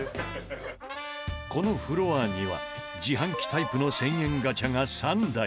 このフロアには自販機タイプの１０００円ガチャが３台。